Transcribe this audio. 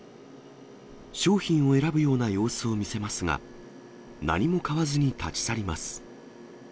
商品を選ぶような様子を見せますが、何も買わずに立ち去ります。